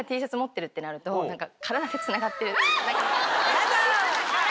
やだ。